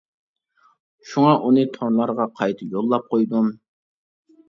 شۇڭا ئۇنى تورلارغا قايتا يوللاپ قويدۇم.